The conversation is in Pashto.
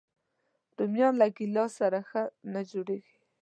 رومیان له ګیلاس سره ښه نه جوړيږي